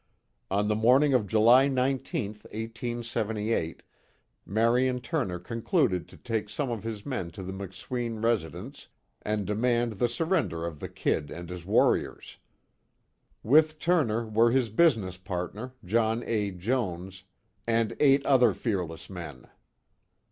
On the morning of July 19th, 1878, Marion Turner concluded to take some of his men to the McSween residence and demand the surrender of the "Kid" and his "warriors." With Turner were his business partner, John A. Jones and eight other fearless men.